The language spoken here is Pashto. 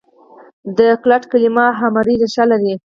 د ګلټ کلیمه اهمري ریښه لري.